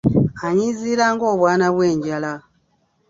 Anyiiziira, ng’obwana bw’enjala.